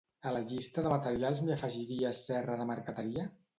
A la llista de materials m'hi afegiries serra de marqueteria?